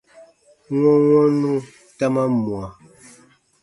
Wɔnwɔnnu ta man mwa.